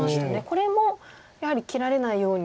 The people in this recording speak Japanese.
これもやはり切られないように。